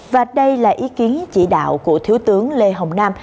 và đây là ý kiến chỉ đạo của thiếu tướng lê hồng nam